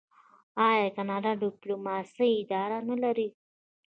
آیا کاناډا د ډیپلوماسۍ اداره نلري؟